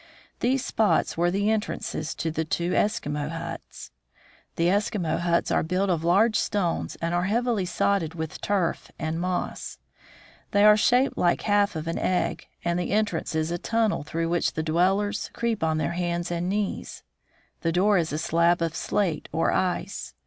These spots were the entrances to two Eskimo huts. The Eskimo huts are built of large stones and are heavily sodded with turf or moss. They are shaped like Interior of an Eskimo Hut. From a drawing by Dr. Kane. half of an egg, and the entrance is a tunnel, through which the dwellers creep on their hands and knees. The door is a slab of slate or ice.